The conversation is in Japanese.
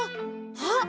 あっ！